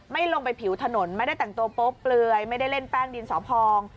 ลงไปผิวถนนไม่ได้แต่งตัวโป๊ะเปลือยไม่ได้เล่นแป้งดินสอพอง